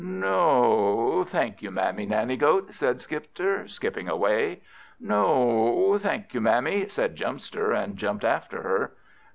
"No o, thank you, Mammy Nanny goat," said Skipster, skipping away. "No o o, thank you, Mammy," said Jumpster, and jumped after her.